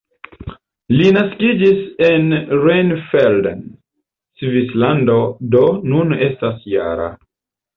Li naskiĝis en Rheinfelden, Svislando, do nun estas -jara.